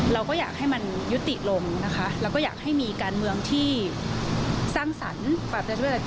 เราก็อยากให้มันยุติลงนะคะแล้วก็อยากให้มีการเมืองที่สร้างสรรค์ปราบใจด้วย